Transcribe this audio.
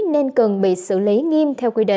nên cần bị xử lý nghiêm